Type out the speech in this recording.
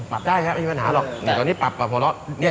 ปลับได้ครับไม่มีปัญหาหรอก